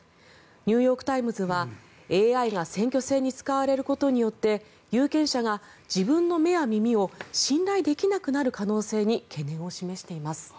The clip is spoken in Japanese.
ニューヨーク・タイムズはＡＩが選挙戦に使われることによって有権者が自分の目や耳を信頼できなくなる可能性に懸念を示しています。